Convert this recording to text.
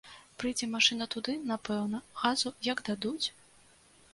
Прыйдзе машына, туды, напэўна, газу як дадуць!